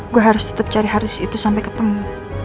gue harus tetep cari harddisk itu sampe ketemu